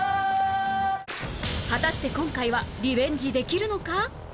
果たして今回はリベンジできるのか？